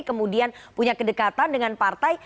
kemudian punya kedekatan dengan partai